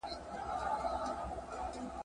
هره تيږه يې پاميرؤ `